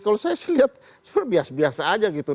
kalau saya lihat biasa biasa saja gitu